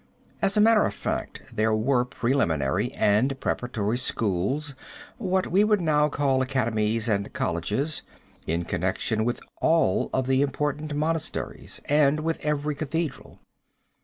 As a matter of fact there were preliminary and preparatory schools, what we would now call academies and colleges, in connection with all of the important monasteries and with every cathedral.